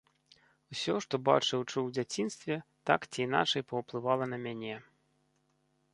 Усё, што бачыў і чуў у дзяцінстве, так ці іначай паўплывала на мяне.